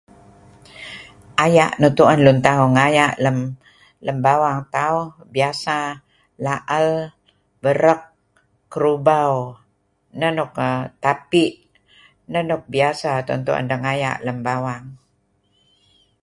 Aya' nuk tu'en lun tauh ngaya' lem bawang tauh biasa la'el, berek, kerubau, neh nuk, tapi' neh nuk biasa tu'en-tu'en deh ngaya' lem bawang.